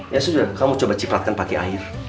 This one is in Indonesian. ya sudah kamu coba cipratkan pakai air